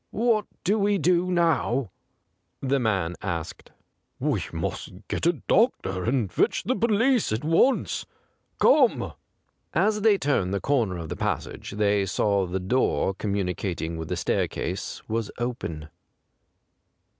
' What do we do now ?' the man asked. ' We must get a doctor and fetch the police at once. Come on.' As they turned the corner of the passage, they saw that the door com municating Avith the staircase was open.